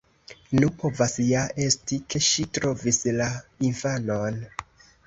Nu, povas ja esti, ke ŝi trovis la infanon.